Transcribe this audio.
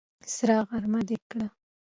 سره غرمه دې کړه!